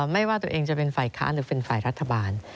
ไม่ว่าตัวเองจะเป็นฝ่ายค้านหรือเป็นฝ่ายรัฐบาล